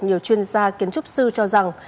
nhiều chuyên gia kiến trúc sư cho rằng